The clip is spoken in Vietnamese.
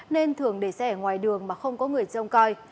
nên thường để xe ở ngoài đường mà không có người trông coi